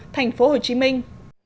thành phố hồ chí minh